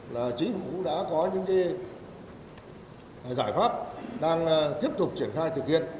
là chính phủ cũng đã có những cái giải pháp đang tiếp tục triển khai thực hiện